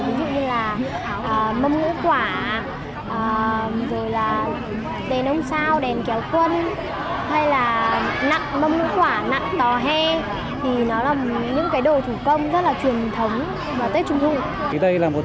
ví dụ như là mâm ngũ quả rồi là đèn ông sao đèn kéo quân hay là mâm ngũ quả nặng tòa he